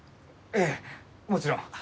ええもちろん。